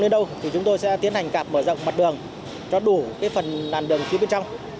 đến đâu thì chúng tôi sẽ tiến hành cạp mở rộng mặt đường cho đủ phần đàn đường phía bên trong